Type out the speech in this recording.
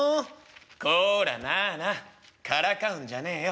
「こらナナからかうんじゃねえよ。